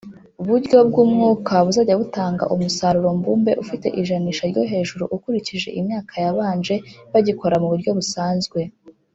buryo bw’ umwuka bazajya batanga umusaruro mbumbe ufite ijanisha ryo hejuru ukurikije imyaka yabanje bagikora mu buryo busanzwe.